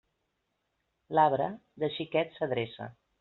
L'arbre, de xiquet s'adreça.